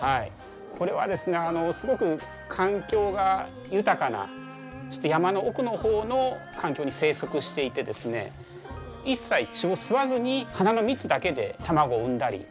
これはですねすごく環境が豊かな山の奥の方の環境に生息していてですね一切血を吸わずに花の蜜だけで卵を産んだりしてるんですね。